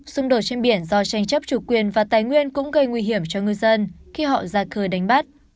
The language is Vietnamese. xung đột trên biển do tranh chấp chủ quyền và tài nguyên cũng gây nguy hiểm cho ngư dân khi họ ra khơi đánh bắt